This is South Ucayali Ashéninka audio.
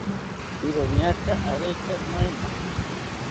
iroñaka aretya noena